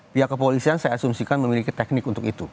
pihak kepolisian saya asumsikan memiliki teknik untuk itu